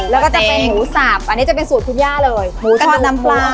แล้วก็จะเป็นหมูสาบอันนี้จะเป็นสูตรคุณย่าเลยหมูทอดน้ำปลา